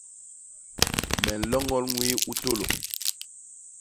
Me nloñol ñwii u tôlô.